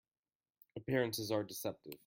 Appearances are deceptive.